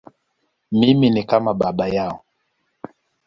Mimi ni kama baba yao.